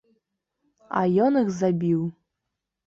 А ён іх забіў.